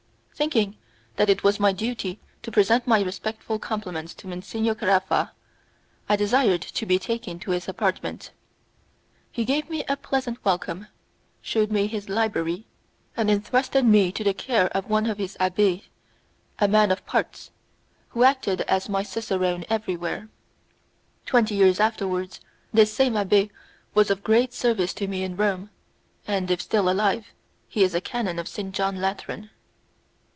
Thinking that it was my duty to present my respectful compliments to Monsignor Caraffa, I desired to be taken to his apartment. He gave me a pleasant welcome, shewed me his library, and entrusted me to the care of one of his abbés, a man of parts, who acted as my cicerone every where. Twenty years afterwards, this same abbé was of great service to me in Rome, and, if still alive, he is a canon of St. John Lateran.